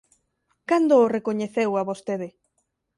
Cando o recoñeceu a vostede?